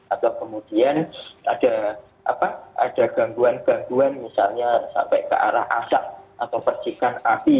atau kemudian ada gangguan gangguan misalnya sampai ke arah asap atau percikan api